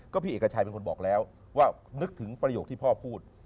พี่เอกชัยเป็นคนบอกแล้วว่านึกถึงประโยคที่พ่อพูด